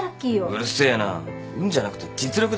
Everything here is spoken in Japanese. うるせえな運じゃなくて実力だっつうんだよ。